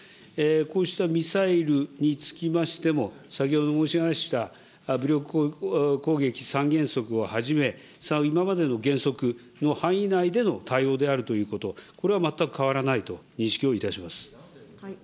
こうしたミサイルにつきましても、先ほども申しました武力攻撃三原則をはじめ、今までの原則の範囲内での対応であるということ、これは全く変わらないと認識をいたします。